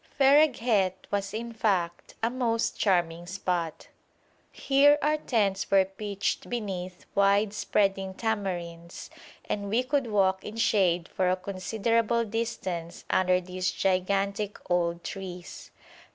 Fereghet was, in fact, a most charming spot. Here our tents were pitched beneath wide spreading tamarinds, and we could walk in shade for a considerable distance under these gigantic old trees.